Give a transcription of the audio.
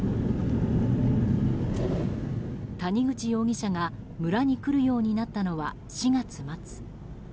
谷口容疑者が村に来るようになったのは４月末。